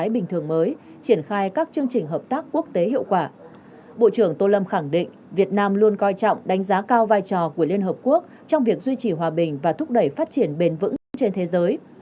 bộ trưởng tô lâm khẳng định việt nam luôn coi trọng đánh giá cao vai trò của liên hợp quốc trong việc duy trì hòa bình và thúc đẩy phát triển bền vững trên thế giới